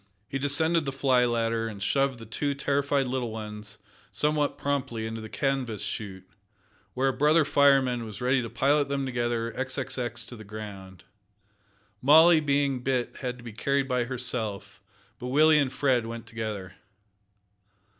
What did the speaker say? He descended the fly ladder, and shoved the two terrified little ones somewhat promptly into the canvas shoot, where a brother fireman was ready to pilot them together xxx to the ground. Molly being big had to be carried by herself, but Willie and Fred went together.